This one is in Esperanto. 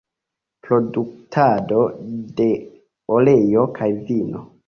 Produktado de oleo kaj vino.